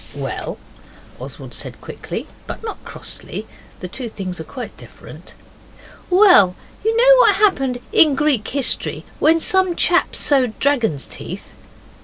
'Well?' Oswald said quickly, but not crossly the two things are quite different. 'Well, you know what happened in Greek history when some chap sowed dragon's teeth?